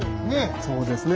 そうですね。